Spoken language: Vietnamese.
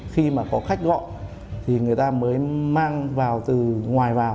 khi mà có khách gọi thì người ta mới mang vào từ ngoài vào